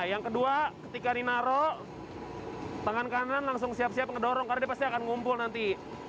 yang kedua ketika ditaruh tangan kanan langsung siap siap mendorong karena pasti akan mengumpul nanti